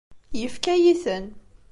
Yefka-yi-ten.